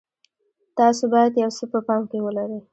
تاسو باید یو څه په پام کې ولرئ.